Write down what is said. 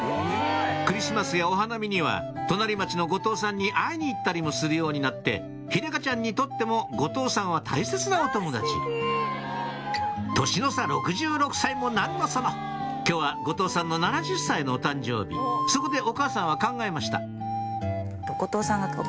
クリスマスやお花見には隣町の後藤さんに会いに行ったりもするようになって秀香ちゃんにとっても後藤さんは大切なお友達年の差６６歳も何のその今日は後藤さんの７０歳のお誕生日そこでお母さんは考えました